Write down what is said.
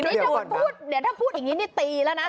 เดี๋ยวถ้าพูดอย่างนี้นี่ตีแล้วนะ